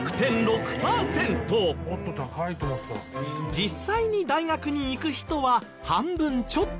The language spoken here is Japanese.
実際に大学に行く人は半分ちょっと。